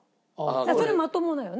それまともだよね？